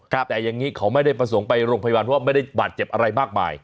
แต่อย่างนี้เขาไม่ได้ประสงค์ไปโรงพยาบาลเพราะว่าไม่ได้บาดเจ็บอะไรมากมาย